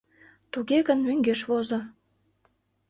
Туге гын, мӧҥгеш возо.